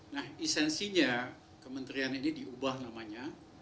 nah esensinya kementerian ini diubah namanya